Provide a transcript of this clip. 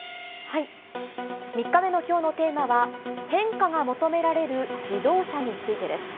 ３日目のきょうのテーマは、変化が求められる自動車についてです。